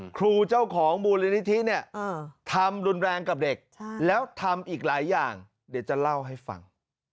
ครูเจ้าของมูลนิธิเนี่ยทำรุนแรงกับเด็กแล้วทำอีกหลายอย่างเดี๋ยวจะเล่าให้ฟัง